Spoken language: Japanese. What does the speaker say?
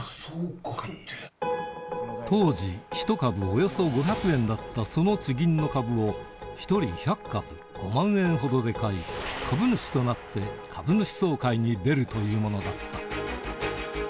当時１株およそ５００円だったその地銀の株を１人１００株５万円ほどで買い株主となって株主総会に出るというものだった